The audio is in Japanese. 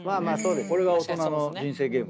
これが大人の人生ゲーム。